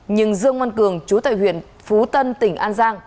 nhưng dương ngoan cường chú tại huyện phú tân tỉnh an giang